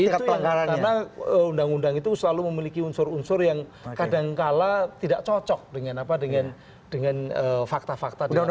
karena undang undang itu selalu memiliki unsur unsur yang kadangkala tidak cocok dengan fakta fakta